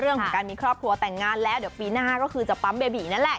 เรื่องของการมีครอบครัวแต่งงานแล้วเดี๋ยวปีหน้าก็คือจะปั๊มเบบีนั่นแหละ